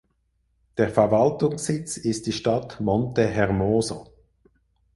Der Verwaltungssitz ist die Stadt Monte Hermoso.